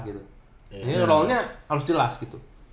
jadi role nya harus jelas gitu